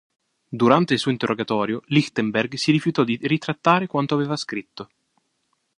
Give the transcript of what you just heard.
Durante il suo interrogatorio, Lichtenberg si rifiutò di ritrattare quanto aveva scritto.